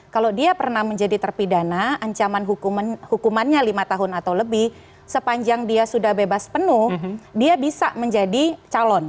kalau dia pernah menjadi terpidana ancaman hukumannya lima tahun atau lebih sepanjang dia sudah bebas penuh dia bisa menjadi calon